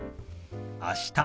「あした」。